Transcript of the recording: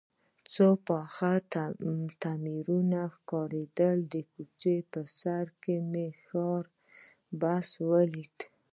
څو پاخه تعمیرونه ښکارېدل، د کوڅې په سر کې مې ښاري بس ولید.